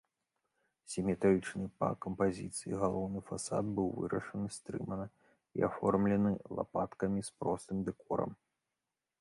Сіметрычны па кампазіцыі галоўны фасад быў вырашаны стрымана і аформлены лапаткамі з простым дэкорам.